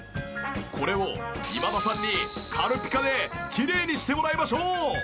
これを今田さんに軽ピカできれいにしてもらいましょう！